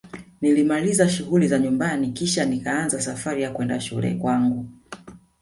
Nilimaliza shughuli za nyumbani Kisha nikaanza Safari ya kwenda shule kwangu